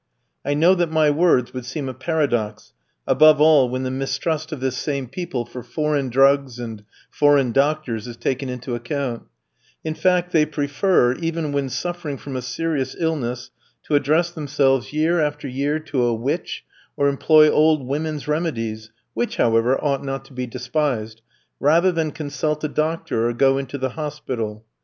I know that my words would seem a paradox, above all when the mistrust of this same people for foreign drugs and foreign doctors is taken into account; in fact, they prefer, even when suffering from a serious illness, to address themselves year after year to a witch, or employ old women's remedies (which, however, ought not to be despised), rather than consult a doctor, or go into the hospital.